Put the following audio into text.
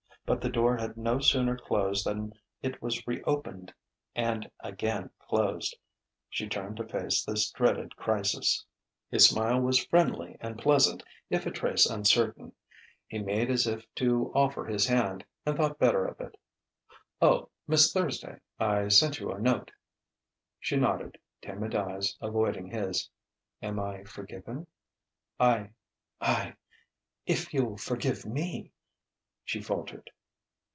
But the door had no sooner closed than it was re opened and again closed. She turned to face this dreaded crisis. His smile was friendly and pleasant if a trace uncertain. He made as if to offer his hand, and thought better of it. "Oh, Miss Thursday.... I sent you a note...." She nodded, timid eyes avoiding his. "Am I forgiven?" "I I if you'll forgive me " she faltered.